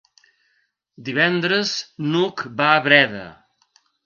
Divendres n'Hug va a Breda.